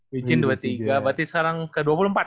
wijin dua puluh tiga berarti sekarang ke dua puluh empat